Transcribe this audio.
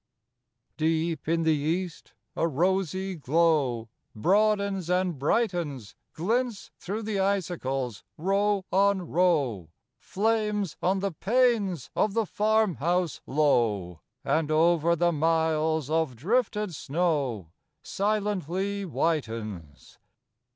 II Deep in the East a rosy glow Broadens and brightens, Glints through the icicles, row on row, Flames on the panes of the farm house low, And over the miles of drifted snow Silently whitens.